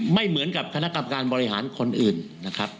ไม่เหมือนกับคณะกรรมการบริหารคนอื่นนะครับ